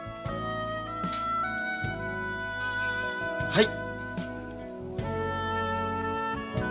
はい。